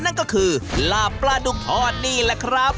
นั่นก็คือลาบปลาดุกทอดนี่แหละครับ